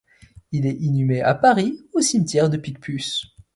Il est inhumé à Paris, au cimetière de Picpus.